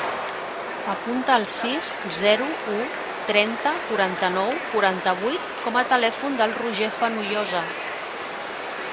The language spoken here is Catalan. Apunta el sis, zero, u, trenta, quaranta-nou, quaranta-vuit com a telèfon del Roger Fenollosa.